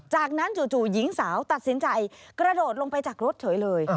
จากนั้นจู่หญิงสาวตัดสินใจกระโดดลงไปจากรถเฉยเลย